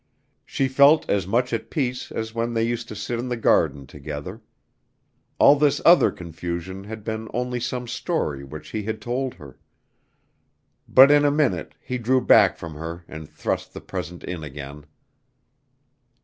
She felt as much at peace as when they used to sit in the garden together. All this other confusion had been only some story which he had told her. But in a minute he drew back from her and thrust the present in again.